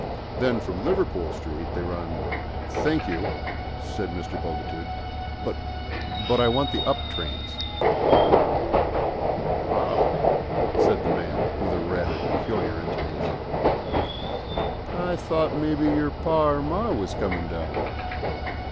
Then from Liverpool Street they run " "Thank you," said Mr. Bultitude, "but but I want the up trains." "Ah," said the man, with a rather peculiar intonation, "I thought maybe your par or mar was comin' down.